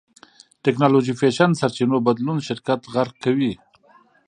ټېکنالوژي فېشن سرچينو بدلون شرکت غرق کوي.